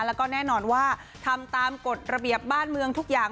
แล้วก็แน่นอนว่าทำตามกฎระเบียบบ้านเมืองทุกอย่าง